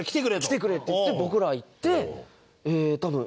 来てくれって言って僕ら行って多分。